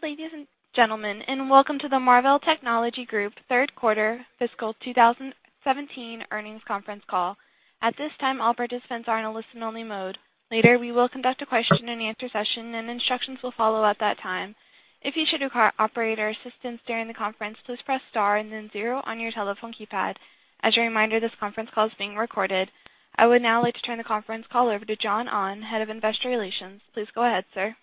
Good ladies and gentlemen, welcome to the Marvell Technology Group third quarter fiscal 2017 earnings conference call. At this time, all participants are in a listen-only mode. Later, we will conduct a question and answer session, and instructions will follow at that time. If you should require operator assistance during the conference, please press star and then zero on your telephone keypad. As a reminder, this conference call is being recorded. I would now like to turn the conference call over to John Ahn, Head of Investor Relations. Please go ahead, sir.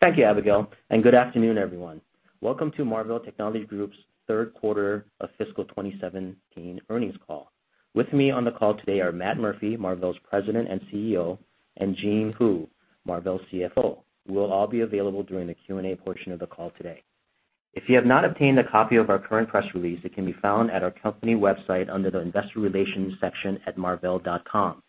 Thank you, Abigail, good afternoon, everyone. Welcome to Marvell Technology Group's third quarter of fiscal 2017 earnings call. With me on the call today are Matt Murphy, Marvell's President and CEO, and Jean Hu, Marvell's CFO. We'll all be available during the Q&A portion of the call today. If you have not obtained a copy of our current press release, it can be found at our company website under the investor relations section at marvell.com.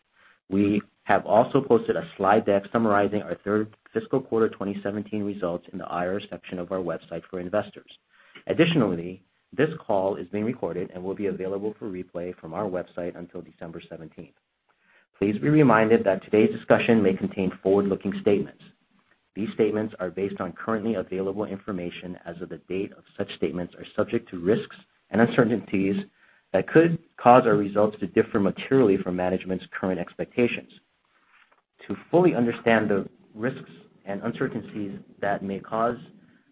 We have also posted a slide deck summarizing our third fiscal quarter 2017 results in the IR section of our website for investors. Additionally, this call is being recorded and will be available for replay from our website until December 17th. Please be reminded that today's discussion may contain forward-looking statements. These statements are based on currently available information as of the date of such statements are subject to risks and uncertainties that could cause our results to differ materially from management's current expectations. To fully understand the risks and uncertainties that may cause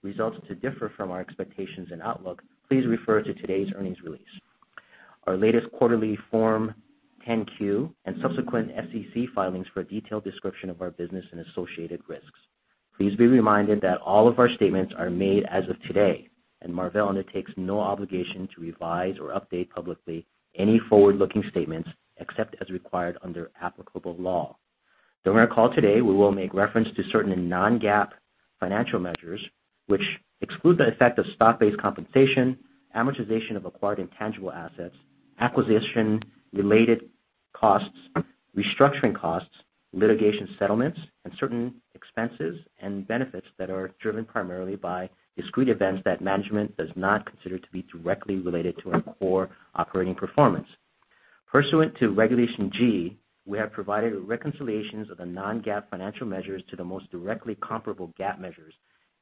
results to differ from our expectations and outlook, please refer to today's earnings release. Our latest quarterly Form 10-Q and subsequent SEC filings for a detailed description of our business and associated risks. Please be reminded that all of our statements are made as of today, Marvell undertakes no obligation to revise or update publicly any forward-looking statements, except as required under applicable law. During our call today, we will make reference to certain non-GAAP financial measures, which exclude the effect of stock-based compensation, amortization of acquired intangible assets, acquisition-related costs, restructuring costs, litigation settlements, and certain expenses and benefits that are driven primarily by discrete events that management does not consider to be directly related to our core operating performance. Pursuant to Regulation G, we have provided reconciliations of the non-GAAP financial measures to the most directly comparable GAAP measures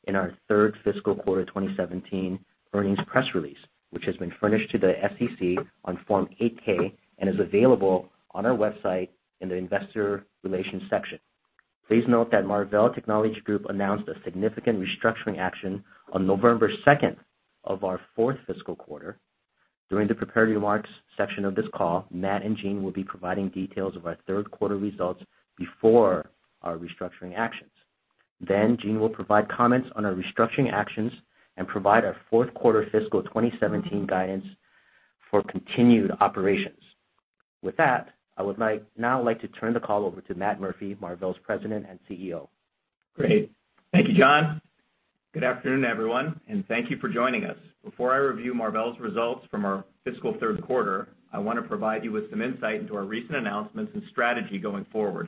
in our third fiscal quarter 2017 earnings press release, which has been furnished to the SEC on Form 8-K and is available on our website in the investor relations section. Please note that Marvell Technology Group announced a significant restructuring action on November 2nd of our fourth fiscal quarter. During the prepared remarks section of this call, Matt and Jean will be providing details of our third quarter results before our restructuring actions. Jean will provide comments on our restructuring actions and provide our fourth quarter fiscal 2017 guidance for continued operations. With that, I would now like to turn the call over to Matt Murphy, Marvell's President and CEO. Great. Thank you, John. Good afternoon, everyone, and thank you for joining us. Before I review Marvell's results from our fiscal third quarter, I want to provide you with some insight into our recent announcements and strategy going forward.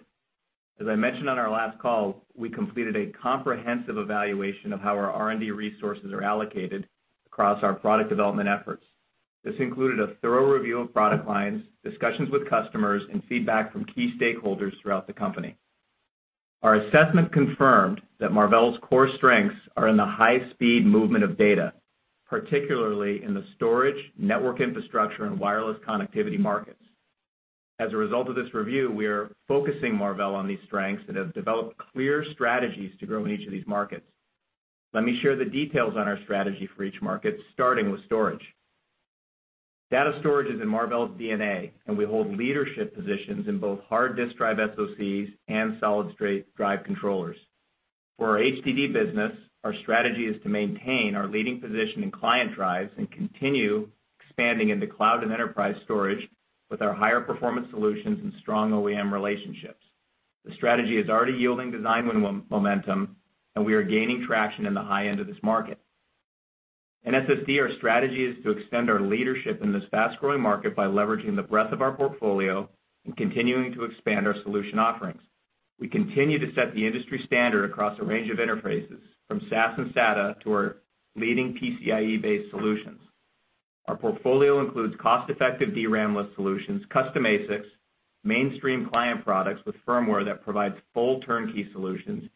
As I mentioned on our last call, we completed a comprehensive evaluation of how our R&D resources are allocated across our product development efforts. This included a thorough review of product lines, discussions with customers, and feedback from key stakeholders throughout the company. Our assessment confirmed that Marvell's core strengths are in the high-speed movement of data, particularly in the storage, network infrastructure, and wireless connectivity markets. As a result of this review, we are focusing Marvell on these strengths and have developed clear strategies to grow in each of these markets. Let me share the details on our strategy for each market, starting with storage. Data storage is in Marvell's DNA, and we hold leadership positions in both hard disk drive SOCs and solid state drive controllers. For our HDD business, our strategy is to maintain our leading position in client drives and continue expanding into cloud and enterprise storage with our higher performance solutions and strong OEM relationships. The strategy is already yielding design win momentum, and we are gaining traction in the high end of this market. In SSD, our strategy is to extend our leadership in this fast-growing market by leveraging the breadth of our portfolio and continuing to expand our solution offerings. We continue to set the industry standard across a range of interfaces, from SAS and SATA to our leading PCIe-based solutions. Our portfolio includes cost-effective DRAMless solutions, custom ASICs, mainstream client products with firmware that provides full turnkey solutions,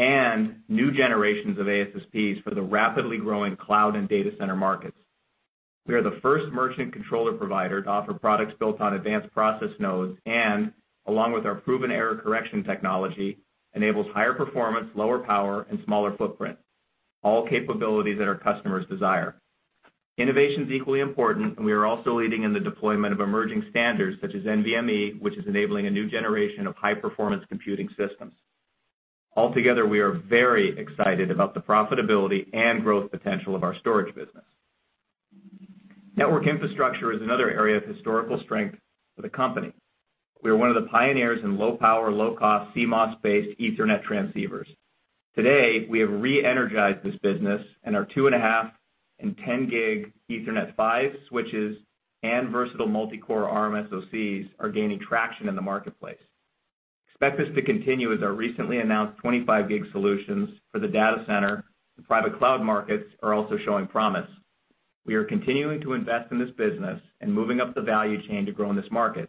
and new generations of ASSPs for the rapidly growing cloud and data center markets. We are the first merchant controller provider to offer products built on advanced process nodes and, along with our proven error correction technology, enables higher performance, lower power, and smaller footprint, all capabilities that our customers desire. Innovation is equally important, and we are also leading in the deployment of emerging standards such as NVMe, which is enabling a new generation of high-performance computing systems. Altogether, we are very excited about the profitability and growth potential of our storage business. Network infrastructure is another area of historical strength for the company. We are one of the pioneers in low-power, low-cost, CMOS-based Ethernet transceivers. Today, we have re-energized this business and our 2.5 and 10 gig Ethernet PHY switches and versatile multi-core Arm SoCs are gaining traction in the marketplace. Expect this to continue as our recently announced 20-PHY gig solutions for the data center and private cloud markets are also showing promise. We are continuing to invest in this business and moving up the value chain to grow in this market,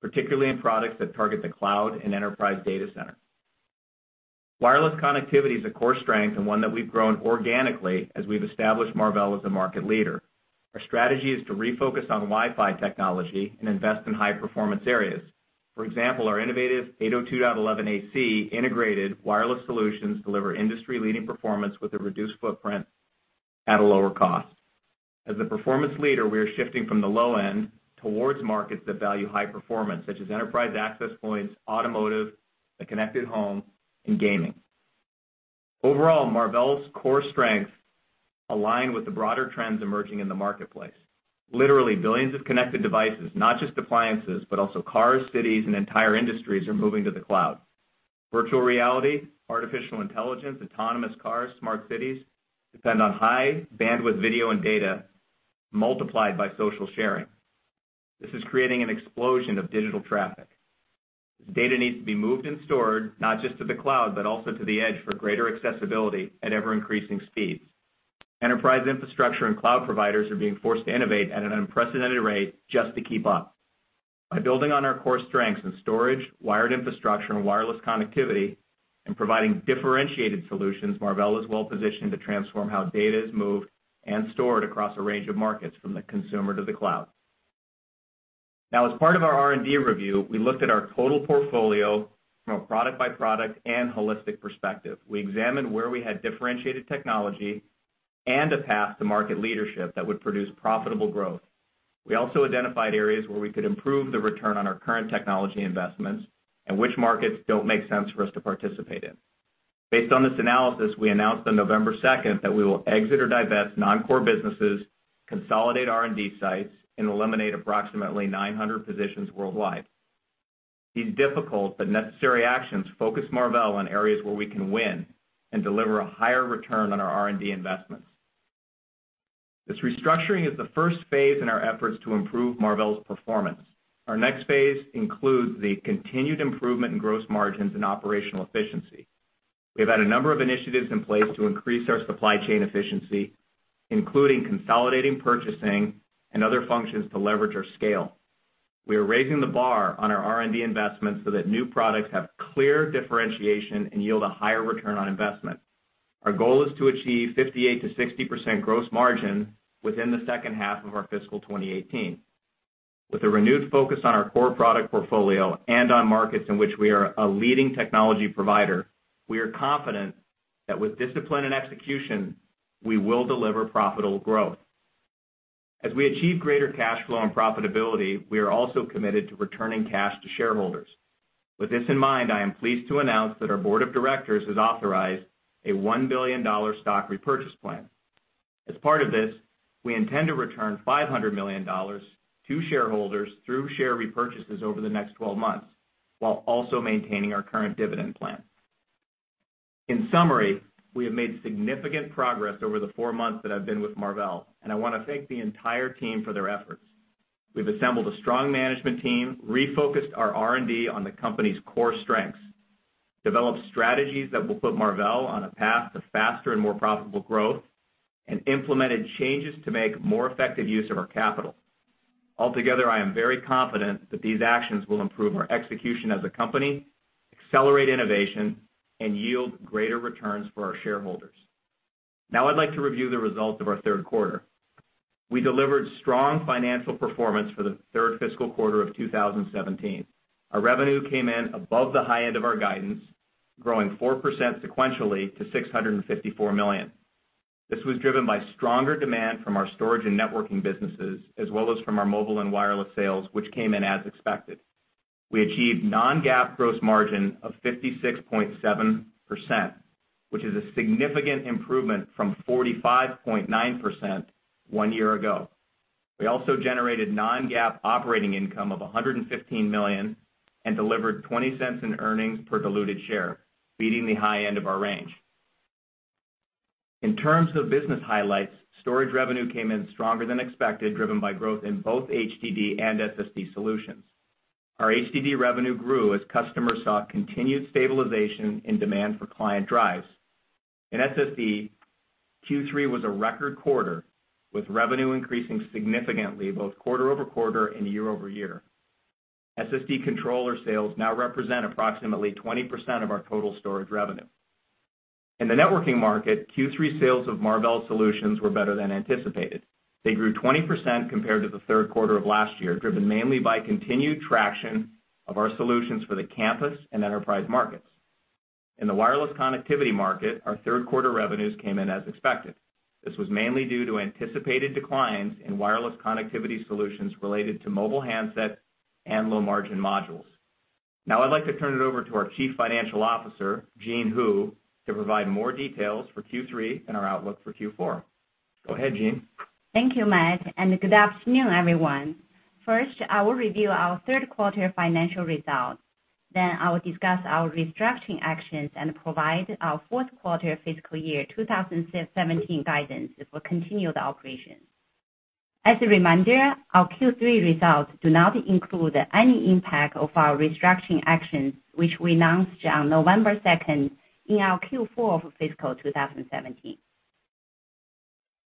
particularly in products that target the cloud and enterprise data center. Wireless connectivity is a core strength and one that we've grown organically as we've established Marvell as a market leader. Our strategy is to refocus on Wi-Fi technology and invest in high-performance areas. For example, our innovative 802.11ac integrated wireless solutions deliver industry-leading performance with a reduced footprint at a lower cost. As a performance leader, we are shifting from the low end towards markets that value high performance, such as enterprise access points, automotive, the connected home, and gaming. Overall, Marvell's core strengths align with the broader trends emerging in the marketplace. Literally, billions of connected devices, not just appliances, but also cars, cities, and entire industries, are moving to the cloud. Virtual reality, artificial intelligence, autonomous cars, smart cities depend on high bandwidth video and data multiplied by social sharing. This is creating an explosion of digital traffic. Data needs to be moved and stored not just to the cloud, but also to the edge for greater accessibility at ever-increasing speeds. Enterprise infrastructure and cloud providers are being forced to innovate at an unprecedented rate just to keep up. By building on our core strengths in storage, wired infrastructure, and wireless connectivity, and providing differentiated solutions, Marvell is well-positioned to transform how data is moved and stored across a range of markets, from the consumer to the cloud. As part of our R&D review, we looked at our total portfolio from a product-by-product and holistic perspective. We examined where we had differentiated technology and a path to market leadership that would produce profitable growth. We also identified areas where we could improve the return on our current technology investments and which markets don't make sense for us to participate in. Based on this analysis, we announced on November 2nd that we will exit or divest non-core businesses, consolidate R&D sites, and eliminate approximately 900 positions worldwide. These difficult but necessary actions focus Marvell on areas where we can win and deliver a higher return on our R&D investments. This restructuring is the first phase in our efforts to improve Marvell's performance. Our next phase includes the continued improvement in gross margins and operational efficiency. We've had a number of initiatives in place to increase our supply chain efficiency, including consolidating purchasing and other functions to leverage our scale. We are raising the bar on our R&D investments so that new products have clear differentiation and yield a higher return on investment. Our goal is to achieve 58%-60% gross margin within the second half of our fiscal 2018. With a renewed focus on our core product portfolio and on markets in which we are a leading technology provider, we are confident that with discipline and execution, we will deliver profitable growth. As we achieve greater cash flow and profitability, we are also committed to returning cash to shareholders. With this in mind, I am pleased to announce that our board of directors has authorized a $1 billion stock repurchase plan. As part of this, we intend to return $500 million to shareholders through share repurchases over the next 12 months, while also maintaining our current dividend plan. In summary, we have made significant progress over the four months that I've been with Marvell, and I want to thank the entire team for their efforts. We've assembled a strong management team, refocused our R&D on the company's core strengths, developed strategies that will put Marvell on a path to faster and more profitable growth, and implemented changes to make more effective use of our capital. Altogether, I am very confident that these actions will improve our execution as a company, accelerate innovation, and yield greater returns for our shareholders. I'd like to review the results of our third quarter. We delivered strong financial performance for the third fiscal quarter of 2017. Our revenue came in above the high end of our guidance, growing 4% sequentially to $654 million. This was driven by stronger demand from our storage and networking businesses, as well as from our mobile and wireless sales, which came in as expected. We achieved non-GAAP gross margin of 56.7%, which is a significant improvement from 45.9% one year ago. We also generated non-GAAP operating income of $115 million and delivered $0.20 in earnings per diluted share, beating the high end of our range. In terms of business highlights, storage revenue came in stronger than expected, driven by growth in both HDD and SSD solutions. Our HDD revenue grew as customers saw continued stabilization in demand for client drives. SSD, Q3 was a record quarter, with revenue increasing significantly both quarter-over-quarter and year-over-year. SSD controller sales now represent approximately 20% of our total storage revenue. In the networking market, Q3 sales of Marvell solutions were better than anticipated. They grew 20% compared to the third quarter of last year, driven mainly by continued traction of our solutions for the campus and enterprise markets. In the wireless connectivity market, our third quarter revenues came in as expected. This was mainly due to anticipated declines in wireless connectivity solutions related to mobile handsets and low-margin modules. I'd like to turn it over to our Chief Financial Officer, Jean Hu, to provide more details for Q3 and our outlook for Q4. Go ahead, Jean. Thank you, Matt, and good afternoon, everyone. I will review our third quarter financial results. I will discuss our restructuring actions and provide our fourth quarter fiscal year 2017 guidance if we continue the operation. As a reminder, our Q3 results do not include any impact of our restructuring actions, which we announced on November 2nd in our Q4 of fiscal 2017.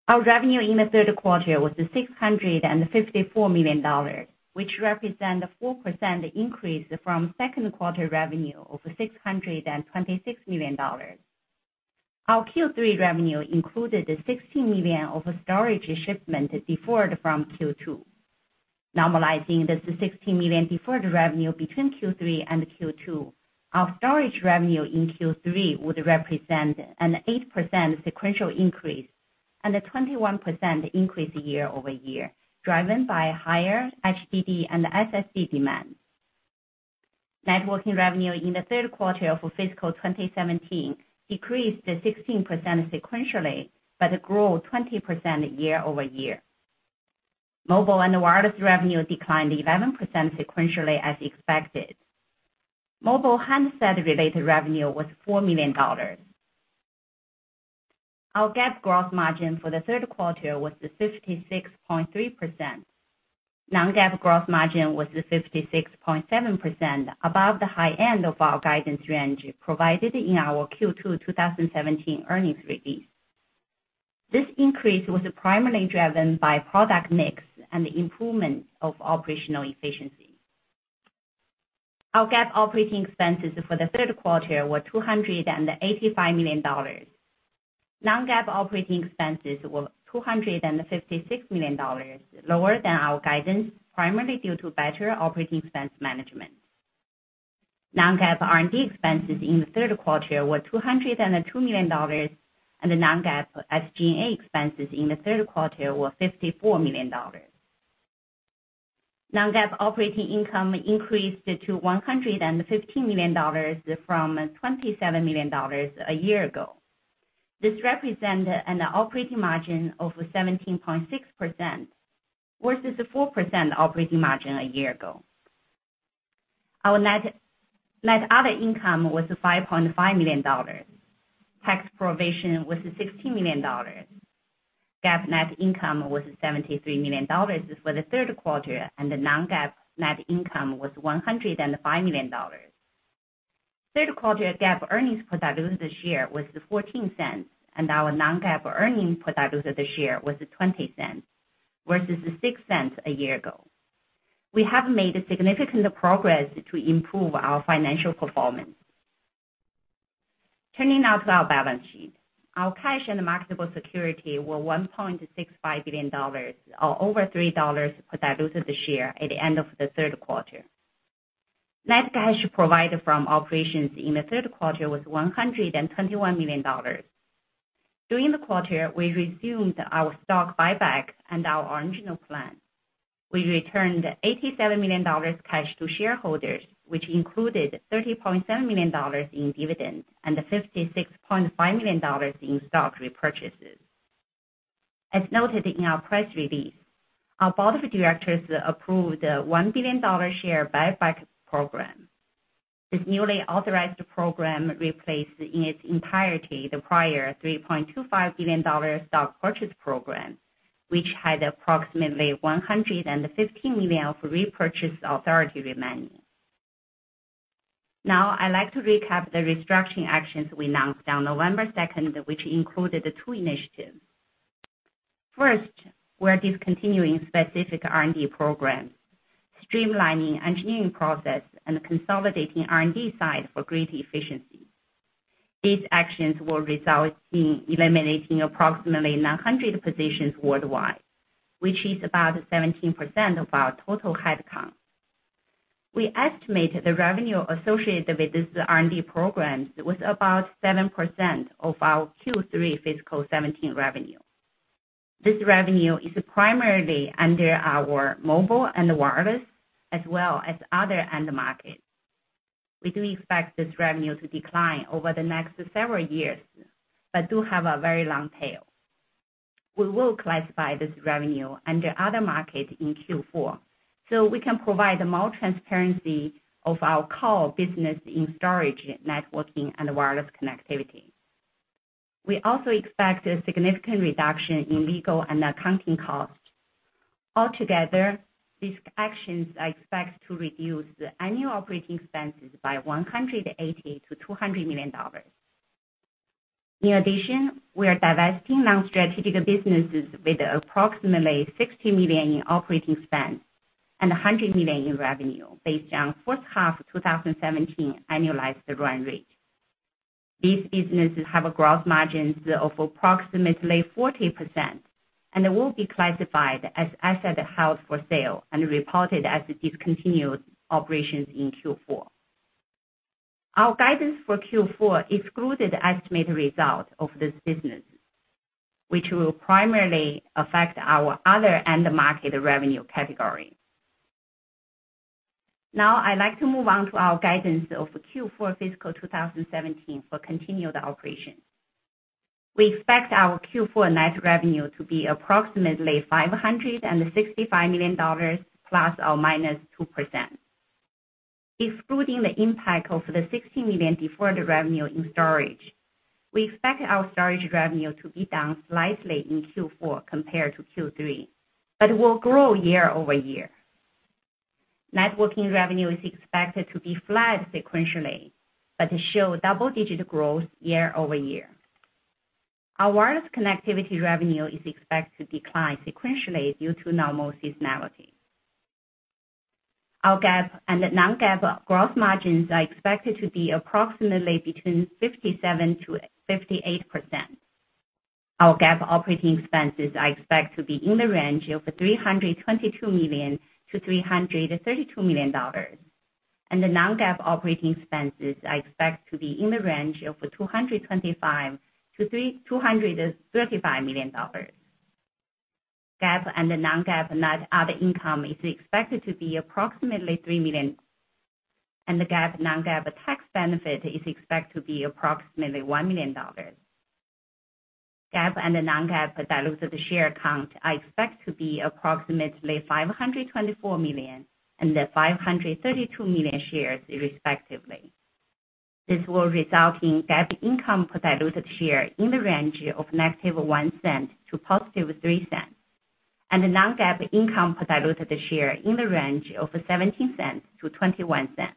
Our revenue in the third quarter was $654 million, which represent a 4% increase from second quarter revenue of $626 million. Our Q3 revenue included $16 million of storage shipment deferred from Q2. Normalizing this $16 million deferred revenue between Q3 and Q2, our storage revenue in Q3 would represent an 8% sequential increase and a 21% increase year-over-year, driven by higher HDD and SSD demand. Networking revenue in the third quarter of fiscal 2017 decreased 16% sequentially, but grew 20% year-over-year. Mobile and wireless revenue declined 11% sequentially as expected. Mobile handset-related revenue was $4 million. Our GAAP gross margin for the third quarter was 56.3%. Non-GAAP gross margin was 56.7%, above the high end of our guidance range provided in our Q2 2017 earnings release. This increase was primarily driven by product mix and the improvement of operational efficiency. Our GAAP operating expenses for the third quarter were $285 million. Non-GAAP operating expenses were $256 million, lower than our guidance, primarily due to better operating expense management. Non-GAAP R&D expenses in the third quarter were $202 million, and the non-GAAP SG&A expenses in the third quarter were $54 million. Non-GAAP operating income increased to $115 million from $27 million a year ago. This represent an operating margin of 17.6% versus 4% operating margin a year ago. Our net other income was $5.5 million. Tax provision was $16 million. GAAP net income was $73 million for the third quarter, non-GAAP net income was $105 million. Third quarter GAAP earnings per diluted share was $0.14, and our non-GAAP earnings per diluted share was $0.20, versus $0.06 a year ago. We have made significant progress to improve our financial performance. Turning now to our balance sheet. Our cash and marketable security were $1.65 billion, or over $3 per diluted share at the end of the third quarter. Net cash provided from operations in the third quarter was $121 million. During the quarter, we resumed our stock buyback and our original plan. We returned $87 million cash to shareholders, which included $30.7 million in dividends and $56.5 million in stock repurchases. As noted in our press release, our board of directors approved a $1 billion share buyback program. This newly authorized program replaced in its entirety the prior $3.25 billion stock purchase program, which had approximately $115 million of repurchase authority remaining. I'd like to recap the restructuring actions we announced on November 2nd, which included two initiatives. First, we're discontinuing specific R&D programs, streamlining engineering process, and consolidating R&D sites for greater efficiency. These actions will result in eliminating approximately 900 positions worldwide, which is about 17% of our total headcount. We estimate the revenue associated with this R&D program was about 7% of our Q3 fiscal 2017 revenue. This revenue is primarily under our mobile and wireless, as well as other end markets. We do expect this revenue to decline over the next several years, but do have a very long tail. We will classify this revenue under other market in Q4 so we can provide more transparency of our core business in storage, networking, and wireless connectivity. We also expect a significant reduction in legal and accounting costs. Altogether, these actions are expected to reduce annual operating expenses by $180 million-$200 million. In addition, we are divesting non-strategic businesses with approximately $60 million in operating expense and $100 million in revenue based on fourth quarter 2017 annualized run rate. These businesses have gross margins of approximately 40% and will be classified as asset held for sale and reported as discontinued operations in Q4. Our guidance for Q4 excluded estimated results of this business, which will primarily affect our other end market revenue category. I'd like to move on to our guidance of Q4 fiscal 2017 for continuing operations. We expect our Q4 net revenue to be approximately $565 million, plus or minus 2%. Excluding the impact of the $60 million deferred revenue in storage, we expect our storage revenue to be down slightly in Q4 compared to Q3, but will grow year over year. Networking revenue is expected to be flat sequentially, but to show double-digit growth year over year. Our wireless connectivity revenue is expected to decline sequentially due to normal seasonality. Our GAAP and non-GAAP gross margins are expected to be approximately between 57%-58%. Our GAAP operating expenses are expected to be in the range of $322 million to $332 million. The non-GAAP operating expenses are expected to be in the range of $225 million to $235 million. GAAP and the non-GAAP net other income is expected to be approximately $3 million. The GAAP, non-GAAP tax benefit is expected to be approximately $1 million. GAAP and the non-GAAP diluted share count are expected to be approximately 524 million and 532 million shares respectively. This will result in GAAP income per diluted share in the range of negative $0.01 to positive $0.03. The non-GAAP income per diluted share in the range of $0.17 to $0.21.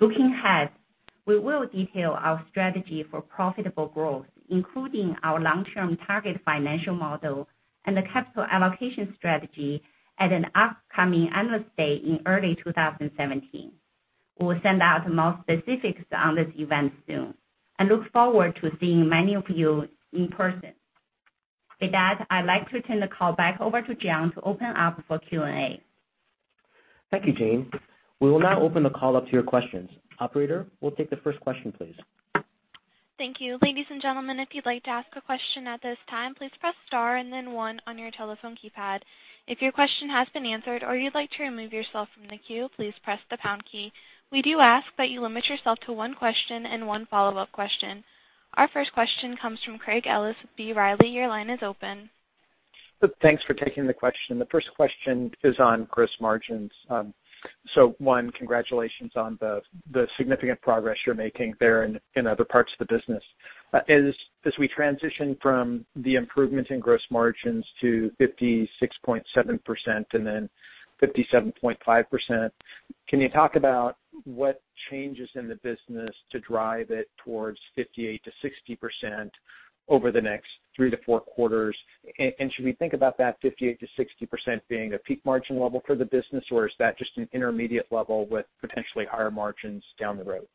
Looking ahead, we will detail our strategy for profitable growth, including our long-term target financial model and the capital allocation strategy at an upcoming Analyst Day in early 2017. We will send out more specifics on this event soon and look forward to seeing many of you in person. With that, I'd like to turn the call back over to John to open up for Q&A. Thank you, Jean. We will now open the call up to your questions. Operator, we'll take the first question, please. Thank you. Ladies and gentlemen, if you'd like to ask a question at this time, please press star and then one on your telephone keypad. If your question has been answered or you'd like to remove yourself from the queue, please press the pound key. We do ask that you limit yourself to one question and one follow-up question. Our first question comes from Craig Ellis with B. Riley. Your line is open. Thanks for taking the question. The first question is on gross margins. One, congratulations on the significant progress you're making there and in other parts of the business. As we transition from the improvement in gross margins to 56.7% and then 57.5%, can you talk about what changes in the business to drive it towards 58%-60% over the next three to four quarters? Should we think about that 58%-60% being a peak margin level for the business, or is that just an intermediate level with potentially higher margins down the road?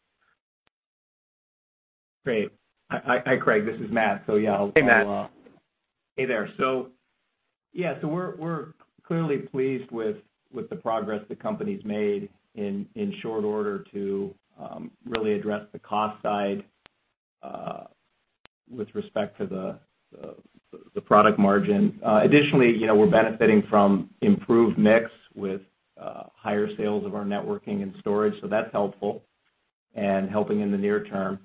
Great. Hi, Craig. This is Matt. Hey, Matt Hey there. We're clearly pleased with the progress the company's made in short order to really address the cost side with respect to the product margin. Additionally, we're benefiting from improved mix with higher sales of our networking and storage, that's helpful and helping in the near term.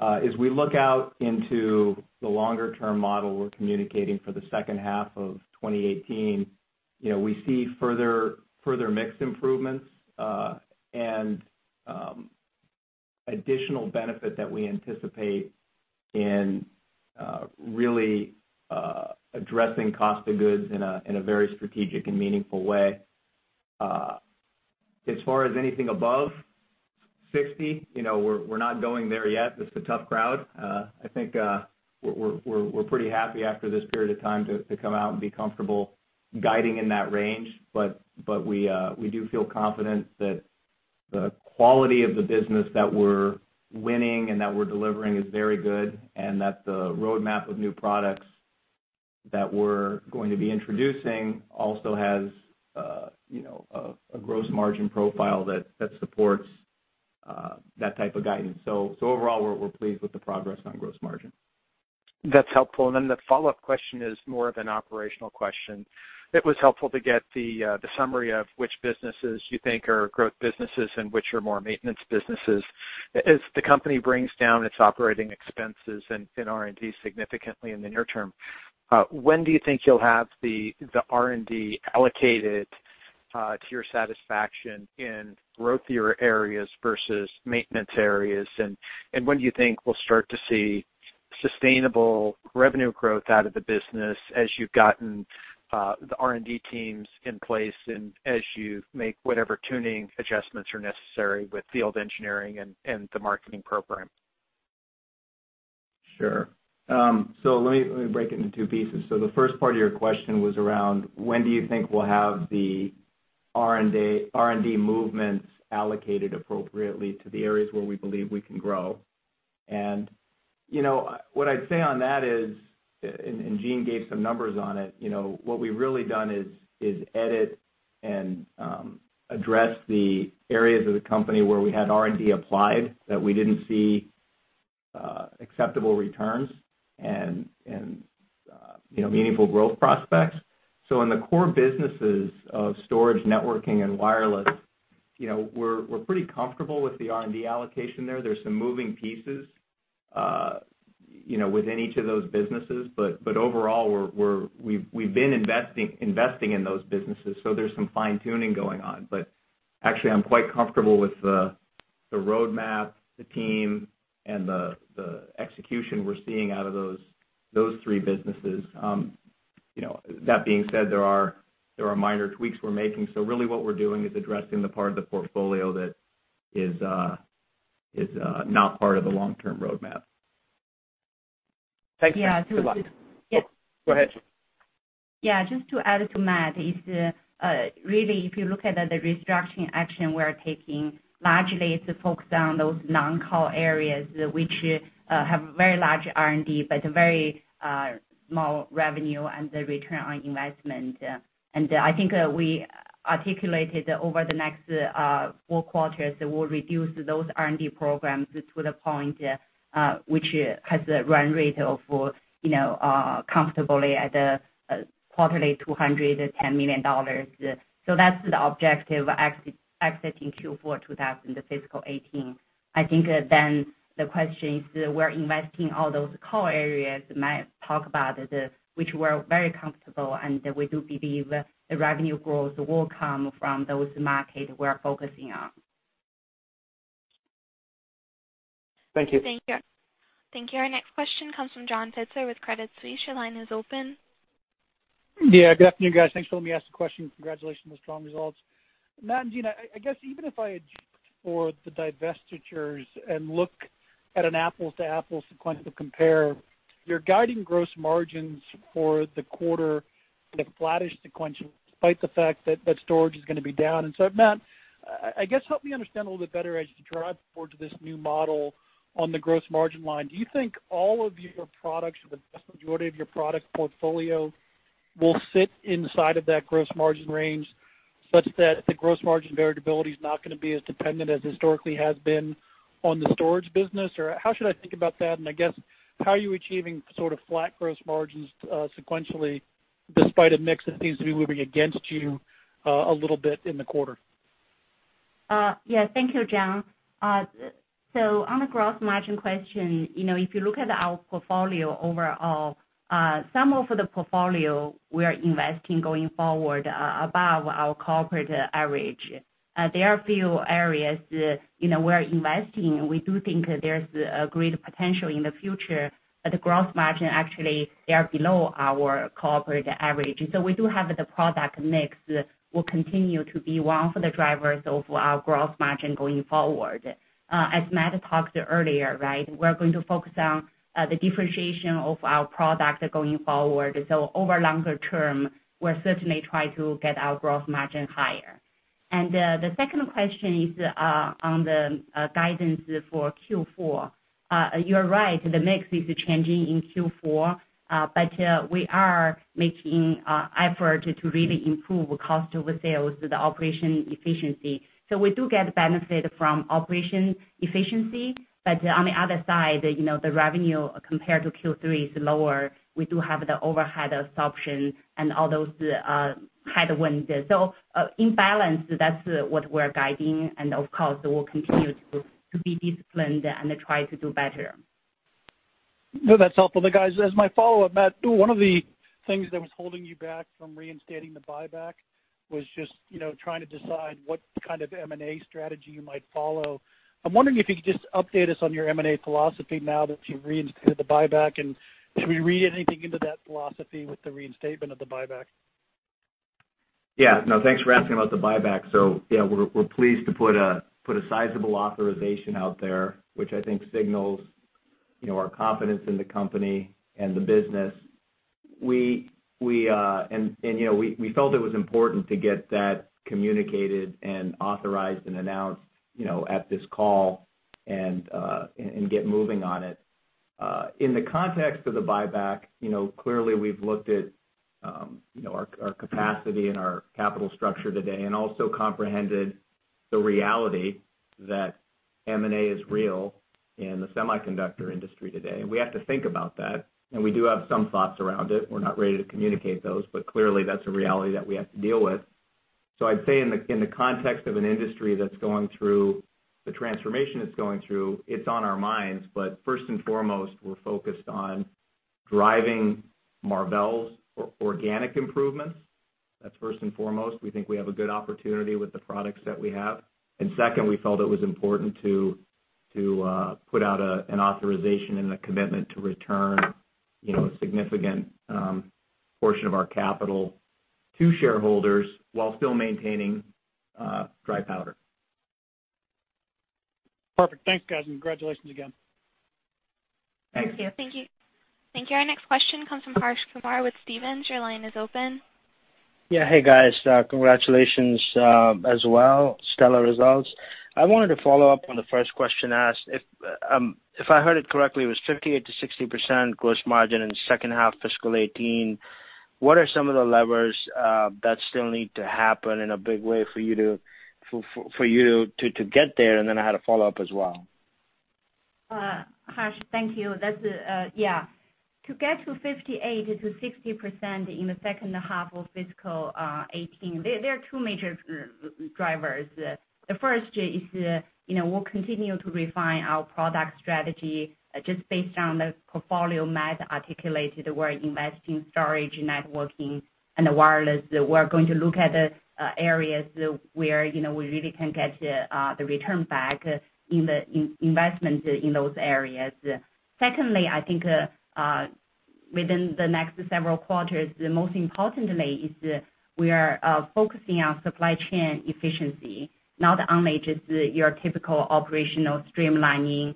As we look out into the longer-term model we're communicating for the second half of 2018, we see further mix improvements, and additional benefit that we anticipate in really addressing cost of goods in a very strategic and meaningful way. As far as anything above 60%, we're not going there yet. It's a tough crowd. I think we're pretty happy after this period of time to come out and be comfortable guiding in that range. We do feel confident that the quality of the business that we're winning and that we're delivering is very good, and that the roadmap of new products that we're going to be introducing also has a gross margin profile that supports that type of guidance. Overall, we're pleased with the progress on gross margin. That's helpful. The follow-up question is more of an operational question. It was helpful to get the summary of which businesses you think are growth businesses and which are more maintenance businesses. As the company brings down its operating expenses and R&D significantly in the near term, when do you think you'll have the R&D allocated to your satisfaction in growthier areas versus maintenance areas? When do you think we'll start to see sustainable revenue growth out of the business as you've gotten the R&D teams in place and as you make whatever tuning adjustments are necessary with field engineering and the marketing program? Sure. Let me break it into two pieces. The first part of your question was around when do you think we'll have the R&D movements allocated appropriately to the areas where we believe we can grow. What I'd say on that is, and Jean gave some numbers on it, what we've really done is edit and address the areas of the company where we had R&D applied that we didn't see acceptable returns and meaningful growth prospects. In the core businesses of storage, networking, and wireless, we're pretty comfortable with the R&D allocation there. There's some moving pieces within each of those businesses. Overall, we've been investing in those businesses, so there's some fine-tuning going on. Actually, I'm quite comfortable with the roadmap, the team, and the execution we're seeing out of those three businesses. That being said, there are minor tweaks we're making. Really what we're doing is addressing the part of the portfolio that is not part of the long-term roadmap. Thanks, Matt. Good luck. Yeah. Go ahead. Yeah, just to add to Matt, is really, if you look at the restructuring action we're taking, largely it's focused on those non-core areas which have very large R&D, but very small revenue and return on investment. I think we articulated over the next four quarters, we will reduce those R&D programs to the point which has a run rate of comfortably at a quarterly $210 million. That's the objective exiting Q4 2000, the fiscal 2018. I think then the question is where investing all those core areas Matt talked about, which we're very comfortable, and we do believe the revenue growth will come from those markets we're focusing on. Thank you. Thank you. Our next question comes from John Pitzer with Credit Suisse. Your line is open. Yeah, good afternoon, guys. Thanks for letting me ask the question. Congratulations on the strong results. Matt and Jean, I guess even if I adjust for the divestitures and look at an apples to apples sequential compare, you're guiding gross margins for the quarter to flattish sequential despite the fact that storage is going to be down. Matt, I guess help me understand a little bit better as you drive forward to this new model on the gross margin line. Do you think all of your products or the vast majority of your product portfolio will sit inside of that gross margin range such that the gross margin variability is not going to be as dependent as historically has been on the storage business? Or how should I think about that? I guess, how are you achieving sort of flat gross margins sequentially despite a mix that seems to be moving against you a little bit in the quarter? Thank you, John. On the gross margin question, if you look at our portfolio overall, some of the portfolio we are investing going forward above our corporate average. There are a few areas we're investing, and we do think there's a great potential in the future at the gross margin, actually, they are below our corporate average. We do have the product mix will continue to be one for the drivers of our gross margin going forward. As Matt talked earlier, we're going to focus on the differentiation of our product going forward. Over longer term, we're certainly try to get our gross margin higher. The second question is on the guidance for Q4. You're right, the mix is changing in Q4, but we are making effort to really improve cost of sales with the operation efficiency. We do get benefit from operation efficiency, on the other side, the revenue compared to Q3 is lower. We do have the overhead absorption and all those headwinds there. In balance, that's what we're guiding, and of course, we'll continue to be disciplined and try to do better. That's helpful. Guys, as my follow-up, Matt, one of the things that was holding you back from reinstating the buyback was just trying to decide what kind of M&A strategy you might follow. I'm wondering if you could just update us on your M&A philosophy now that you've reinstated the buyback, should we read anything into that philosophy with the reinstatement of the buyback? Thanks for asking about the buyback. We're pleased to put a sizable authorization out there, which I think signals our confidence in the company and the business. We felt it was important to get that communicated and authorized and announced at this call and get moving on it. In the context of the buyback, clearly we've looked at our capacity and our capital structure today, also comprehended the reality that M&A is real in the semiconductor industry today. We have to think about that, we do have some thoughts around it. We're not ready to communicate those, clearly that's a reality that we have to deal with. I'd say in the context of an industry that's going through the transformation it's going through, it's on our minds. First and foremost, we're focused on driving Marvell's organic improvements. That's first and foremost. We think we have a good opportunity with the products that we have. Second, we felt it was important to put out an authorization and a commitment to return a significant portion of our capital to shareholders while still maintaining dry powder. Perfect. Thanks, guys, and congratulations again. Thank you. Thank you. Thank you. Our next question comes from Harsh Kumar with Stephens. Your line is open. Yeah. Hey, guys, congratulations as well. Stellar results. I wanted to follow up on the first question asked. If I heard it correctly, it was 58%-60% gross margin in the second half fiscal 2018. What are some of the levers that still need to happen in a big way for you to get there? I had a follow-up as well. Harsh, thank you. To get to 58%-60% in the second half of fiscal 2018, there are two major drivers. The first is we'll continue to refine our product strategy just based on the portfolio Matt articulated. We're investing storage, networking, and wireless. We're going to look at areas where we really can get the return back in the investment in those areas. Secondly, I think Within the next several quarters, the most importantly is we are focusing on supply chain efficiency, not only just your typical operational streamlining,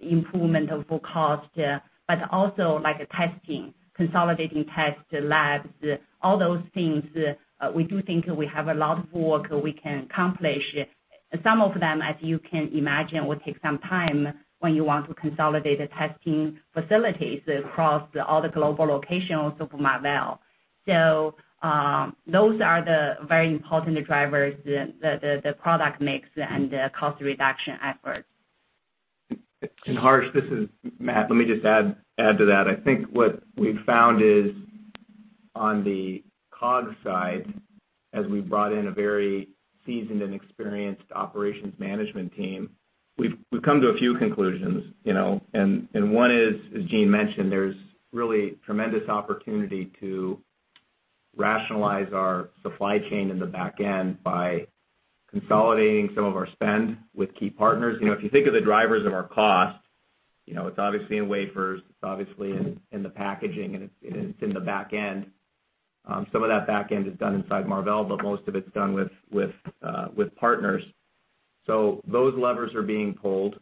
improvement of full cost, but also like testing, consolidating test labs, all those things. We do think we have a lot of work we can accomplish. Some of them, as you can imagine, will take some time when you want to consolidate the testing facilities across all the global locations of Marvell. Those are the very important drivers, the product mix and the cost reduction efforts. Harsh, this is Matt. Let me just add to that. I think what we've found is on the cog side, as we brought in a very seasoned and experienced operations management team, we've come to a few conclusions. One is, as Jean mentioned, there's really tremendous opportunity to rationalize our supply chain in the back end by consolidating some of our spend with key partners. If you think of the drivers of our cost, it's obviously in wafers, it's obviously in the packaging, and it's in the back end. Some of that back end is done inside Marvell, but most of it's done with partners. Those levers are being pulled,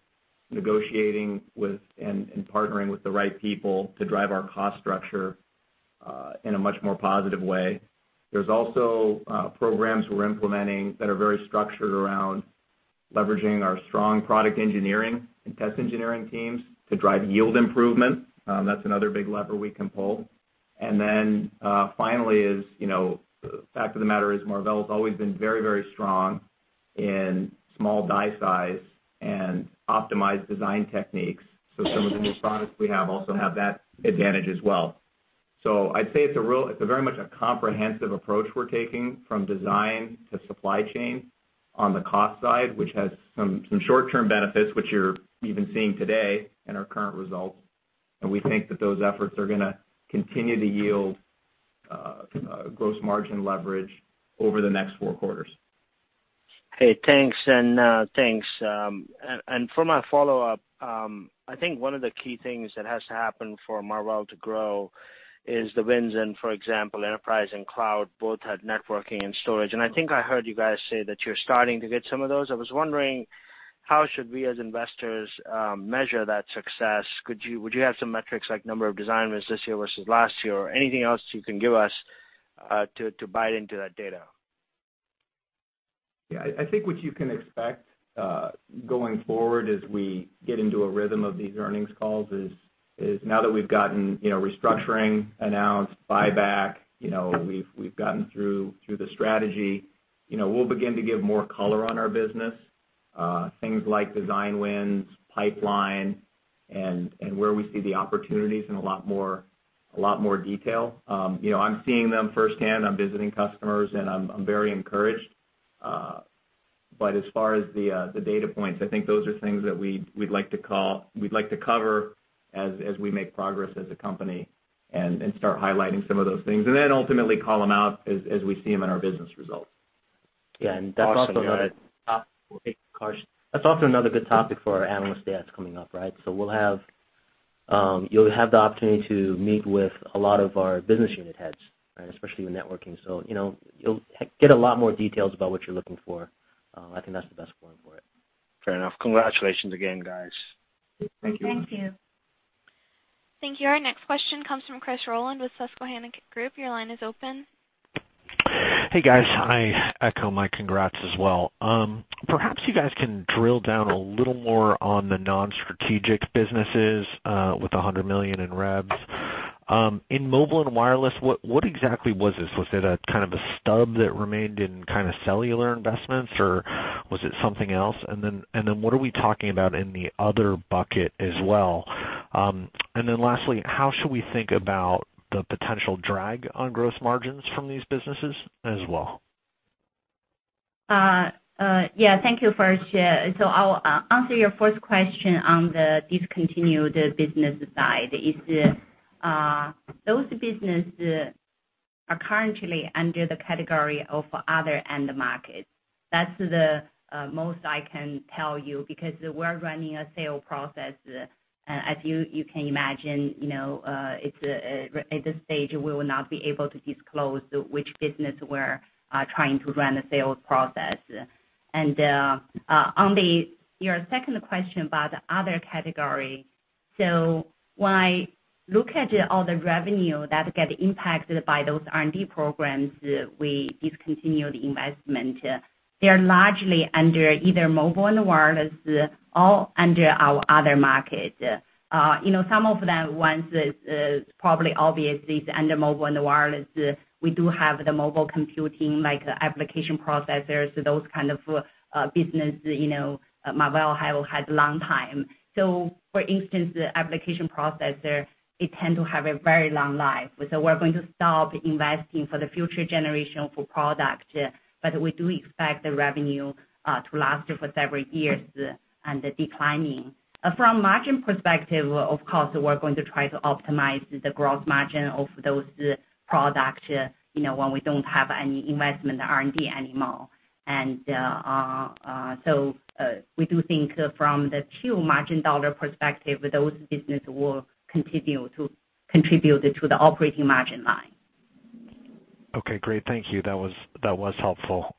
negotiating with and partnering with the right people to drive our cost structure, in a much more positive way. There's also programs we're implementing that are very structured around leveraging our strong product engineering and test engineering teams to drive yield improvement. That's another big lever we can pull. Then, finally is, fact of the matter is Marvell has always been very strong in small die size and optimized design techniques. Some of the new products we have also have that advantage as well. I'd say it's a very much a comprehensive approach we're taking from design to supply chain on the cost side, which has some short-term benefits, which you're even seeing today in our current results. We think that those efforts are going to continue to yield gross margin leverage over the next four quarters. Hey, thanks. For my follow-up, I think one of the key things that has to happen for Marvell to grow is the wins in, for example, enterprise and cloud both had networking and storage. I think I heard you guys say that you're starting to get some of those. I was wondering how should we as investors measure that success? Would you have some metrics like number of design wins this year versus last year, or anything else you can give us to bite into that data? Yeah. I think what you can expect, going forward as we get into a rhythm of these earnings calls is, now that we've gotten restructuring announced, buyback, we've gotten through the strategy, we'll begin to give more color on our business. Things like design wins, pipeline, and where we see the opportunities in a lot more detail. I'm seeing them firsthand. I'm visiting customers, and I'm very encouraged. As far as the data points, I think those are things that we'd like to cover as we make progress as a company and start highlighting some of those things, then ultimately call them out as we see them in our business results. Yeah. That's also another good topic for our analyst day that's coming up, right? You'll have the opportunity to meet with a lot of our business unit heads, especially when networking. You'll get a lot more details about what you're looking for. I think that's the best forum for it. Fair enough. Congratulations again, guys. Thank you. Thank you. Thank you. Our next question comes from Chris Rolland with Susquehanna Financial Group. Your line is open. Hey, guys. I echo my congrats as well. Perhaps you guys can drill down a little more on the non-strategic businesses, with $100 million in revs. In mobile and wireless, what exactly was this? Was it a kind of a stub that remained in kind of cellular investments, or was it something else? What are we talking about in the other bucket as well? Lastly, how should we think about the potential drag on gross margins from these businesses as well? Yeah. Thank you. I'll answer your first question on the discontinued business side is, those business are currently under the category of other end markets. That's the most I can tell you because we're running a sale process. As you can imagine, at this stage, we will not be able to disclose which business we're trying to run a sales process. On your second question about the other category, when I look at all the revenue that get impacted by those R&D programs, we discontinued investment. They're largely under either mobile and wireless or under our other market. Some of them, one is probably obvious is under mobile and wireless. We do have the mobile computing, like application processors. Those kind of business, Marvell had a long time. For instance, the application processor, it tend to have a very long life. We're going to stop investing for the future generation for product, we do expect the revenue to last for several years and declining. From margin perspective, of course, we're going to try to optimize the growth margin of those products when we don't have any investment R&D anymore. We do think from the two margin dollar perspective, those business will continue to contribute to the operating margin line. Okay, great. Thank you. That was helpful.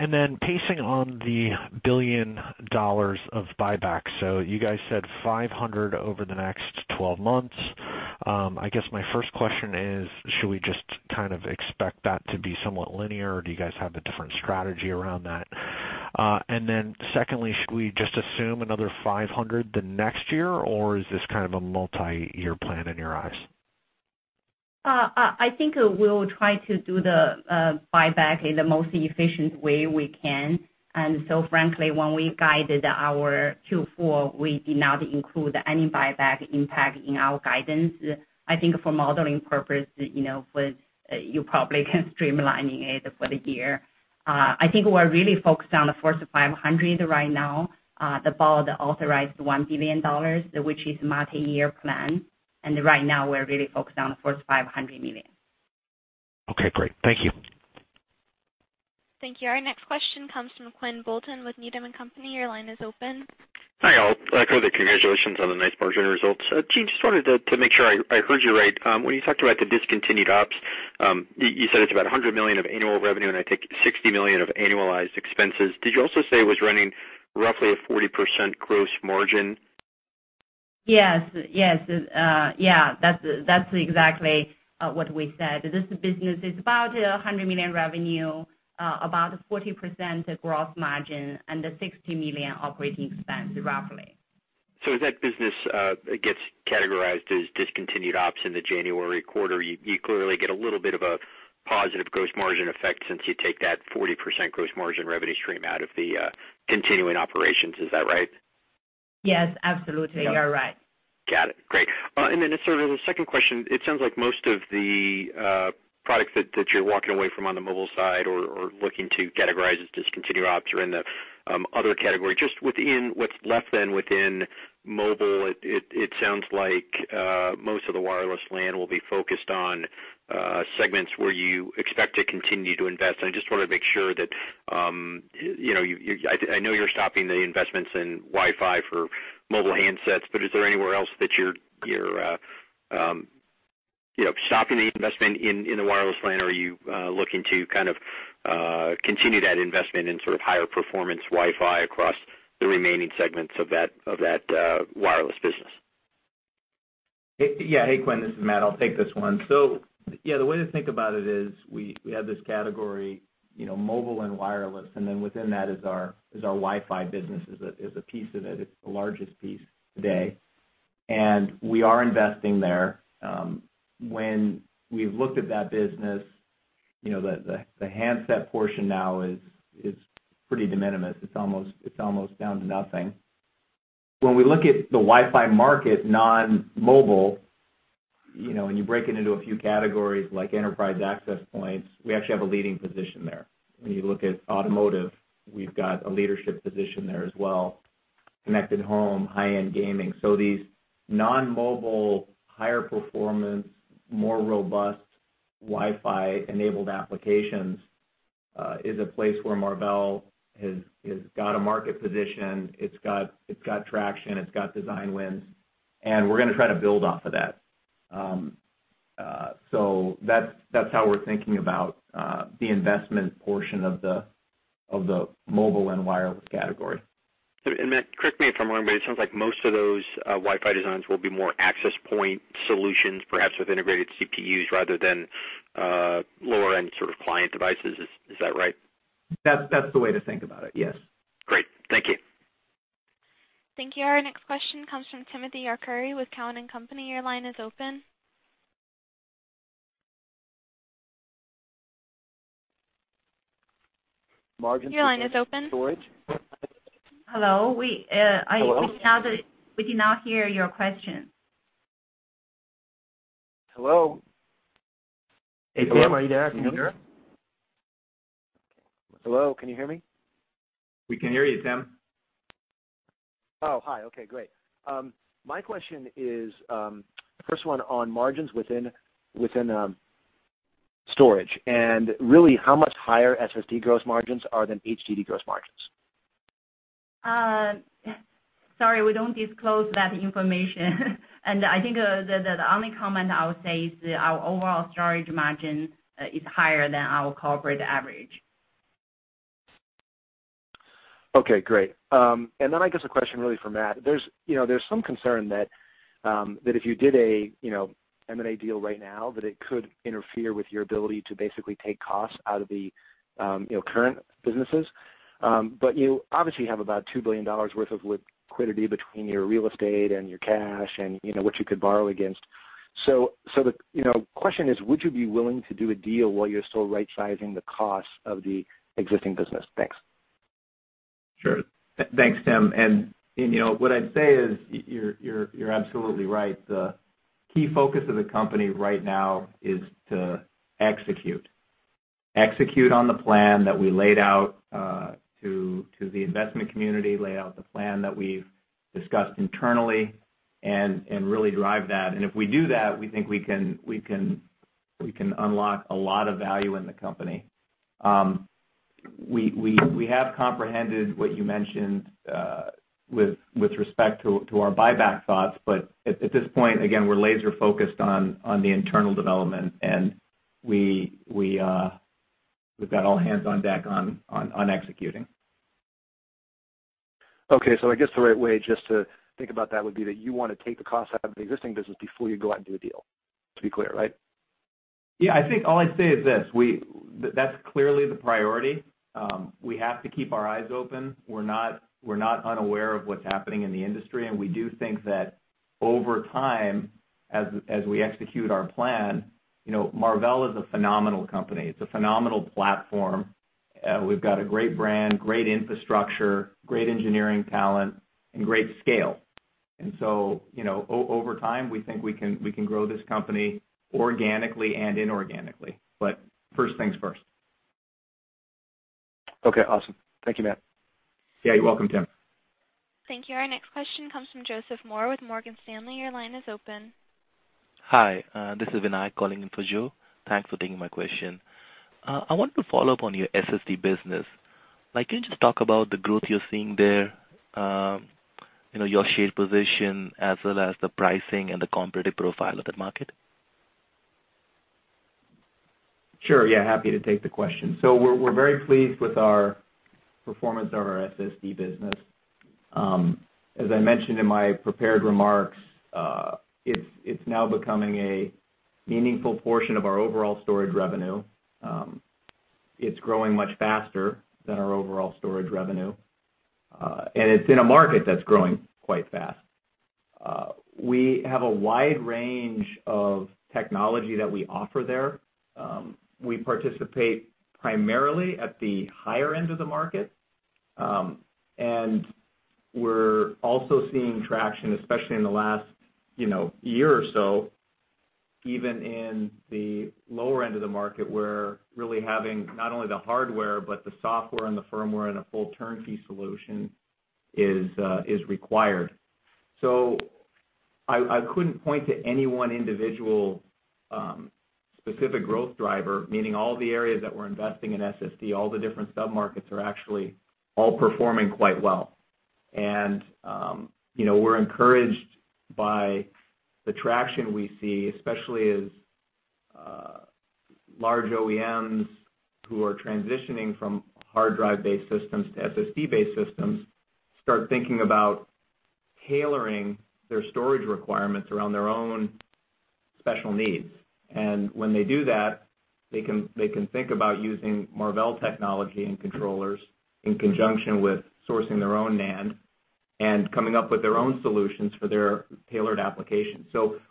Pacing on the $1 billion of buyback. You guys said $500 million over the next 12 months. I guess my first question is, should we just expect that to be somewhat linear, or do you guys have a different strategy around that? Secondly, should we just assume another $500 million the next year, or is this kind of a multi-year plan in your eyes? I think we'll try to do the buyback in the most efficient way we can. Frankly, when we guided our Q4, we did not include any buyback impact in our guidance. I think for modeling purpose, you probably can streamline it for the year. I think we're really focused on the first $500 million right now, the board authorized $1 billion, which is a multi-year plan. Right now, we're really focused on the first $500 million. Okay, great. Thank you. Thank you. Our next question comes from Quinn Bolton with Needham & Company. Your line is open. Hi all. Congratulations on the nice margin results. Jean, just wanted to make sure I heard you right. When you talked about the discontinued ops, you said it's about $100 million of annual revenue and I think $60 million of annualized expenses. Did you also say it was running roughly a 40% gross margin? Yes. That's exactly what we said. This business is about $100 million revenue, about 40% gross margin and the $60 million operating expense, roughly. As that business gets categorized as discontinued ops in the January quarter, you clearly get a little bit of a positive gross margin effect since you take that 40% gross margin revenue stream out of the continuing operations. Is that right? Yes, absolutely. You're right. Got it. Great. Sort of the second question, it sounds like most of the products that you're walking away from on the mobile side or looking to categorize as discontinued ops are in the other category. Just within what's left then within mobile, it sounds like most of the wireless LAN will be focused on segments where you expect to continue to invest. I just want to make sure that, I know you're stopping the investments in Wi-Fi for mobile handsets, but is there anywhere else that you're stopping the investment in the wireless LAN? Are you looking to kind of continue that investment in sort of higher performance Wi-Fi across the remaining segments of that wireless business? Yeah. Hey, Quinn, this is Matt, I'll take this one. The way to think about it is we have this category, mobile and wireless, then within that is our Wi-Fi business, is a piece of it. It's the largest piece today. We are investing there. When we've looked at that business, the handset portion now is pretty de minimis. It's almost down to nothing. When we look at the Wi-Fi market, non-mobile, and you break it into a few categories like enterprise access points, we actually have a leading position there. When you look at automotive, we've got a leadership position there as well, connected home, high-end gaming. These non-mobile, higher performance, more robust Wi-Fi enabled applications, is a place where Marvell has got a market position. It's got traction, it's got design wins, we're going to try to build off of that. That's how we're thinking about the investment portion of the mobile and wireless category. Matt, correct me if I'm wrong, but it sounds like most of those Wi-Fi designs will be more access point solutions, perhaps with integrated CPUs rather than lower end sort of client devices. Is that right? That's the way to think about it, yes. Great. Thank you. Thank you. Our next question comes from Timothy Arcuri with Cowen and Company. Your line is open. Margins- Your line is open. Hello. Hello. We did not hear your question. Hello? Hey, Tim, are you there? Can you hear us? Hello, can you hear me? We can hear you, Tim. Oh, hi. Okay, great. My question is, first one on margins within storage, and really how much higher SSD gross margins are than HDD gross margins. Sorry, we don't disclose that information. I think the only comment I would say is our overall storage margin is higher than our corporate average. Okay, great. Then I guess a question really for Matt. There's some concern that if you did a M&A deal right now, that it could interfere with your ability to basically take costs out of the current businesses. You obviously have about $2 billion worth of liquidity between your real estate and your cash, and what you could borrow against. The question is, would you be willing to do a deal while you're still right sizing the cost of the existing business? Thanks. Sure. Thanks, Tim. What I'd say is, you're absolutely right. The key focus of the company right now is to execute. Execute on the plan that we laid out to the investment community, lay out the plan that we've discussed internally and really drive that. If we do that, we think we can unlock a lot of value in the company. We have comprehended what you mentioned with respect to our buyback thoughts. At this point, again, we're laser-focused on the internal development, and we've got all hands on deck on executing. Okay, I guess the right way just to think about that would be that you want to take the cost out of the existing business before you go out and do a deal. To be clear, right? Yeah, I think all I'd say is this, that's clearly the priority. We have to keep our eyes open. We're not unaware of what's happening in the industry, and we do think that over time, as we execute our plan, Marvell is a phenomenal company. It's a phenomenal platform. We've got a great brand, great infrastructure, great engineering talent, and great scale. Over time, we think we can grow this company organically and inorganically. First things first. Okay, awesome. Thank you, Matt. You're welcome, Tim. Thank you. Our next question comes from Joseph Moore with Morgan Stanley. Your line is open. Hi, this is Vinay calling in for Joe. Thanks for taking my question. I wanted to follow up on your SSD business. Can you just talk about the growth you're seeing there, your shared position as well as the pricing and the competitive profile of that market? Sure. Happy to take the question. We're very pleased with our performance of our SSD business. As I mentioned in my prepared remarks, it's now becoming a meaningful portion of our overall storage revenue. It's growing much faster than our overall storage revenue. It's in a market that's growing quite fast. We have a wide range of technology that we offer there. We participate primarily at the higher end of the market. We're also seeing traction, especially in the last year or so, even in the lower end of the market, where really having not only the hardware, but the software and the firmware and a full turnkey solution is required. I couldn't point to any one individual specific growth driver, meaning all the areas that we're investing in SSD, all the different sub-markets are actually all performing quite well. We're encouraged by the traction we see, especially as large OEMs who are transitioning from hard drive-based systems to SSD-based systems, start thinking about tailoring their storage requirements around their own special needs. When they do that, they can think about using Marvell Technology and controllers in conjunction with sourcing their own NAND and coming up with their own solutions for their tailored applications.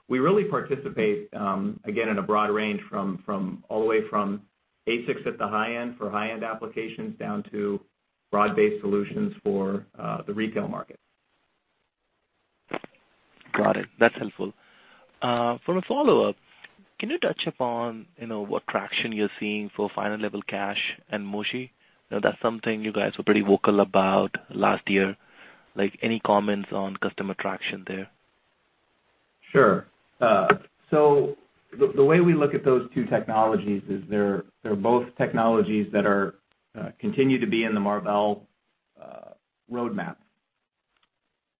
We really participate, again, in a broad range, all the way from ASICs at the high-end for high-end applications down to broad-based solutions for the retail market. Got it. That's helpful. For a follow-up, can you touch upon what traction you're seeing for last level cache and MoChi? That's something you guys were pretty vocal about last year. Any comments on customer traction there? Sure. The way we look at those two technologies is they're both technologies that continue to be in the Marvell roadmap.